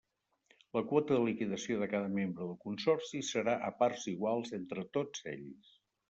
La quota de liquidació de cada membre del consorci serà a parts iguals entre tots ells.